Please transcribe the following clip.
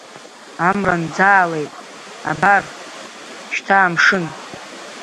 Амра нӡаалеит абар, шьҭа амшын.